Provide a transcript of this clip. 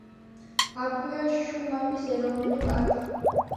აქვეა შუმავის ეროვნული პარკი.